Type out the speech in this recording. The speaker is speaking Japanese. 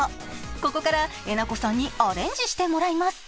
ここからえなこさんにアレンジしてもらいます。